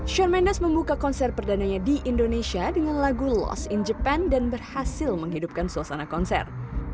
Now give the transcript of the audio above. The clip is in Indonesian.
shawn mendes membuka konser perdananya di indonesia dengan lagu lost in japan dan berhasil menghidupkan suasana konser